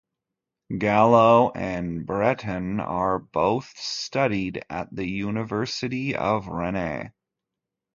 Gallo and Breton are both studied at the University of Rennes.